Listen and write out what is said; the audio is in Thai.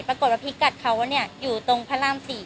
ปรากฏว่าพิกัดเขาอยู่ตรงพระราม๔